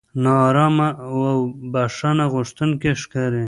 نا ارامه او بښنه غوښتونکي ښکاري.